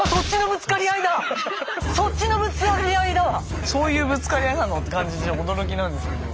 もうそっちのぶつかり合いだ！って感じで驚きなんですけど。